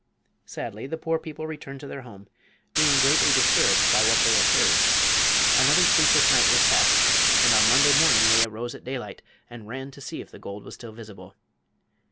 Sadly the poor people returned to their home, being greatly disturbed by what they had heard. Another sleepless night was passed, and on Monday morning they arose at daylight and ran to see if the gold was still visible.